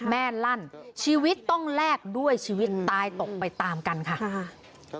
ลั่นชีวิตต้องแลกด้วยชีวิตตายตกไปตามกันค่ะ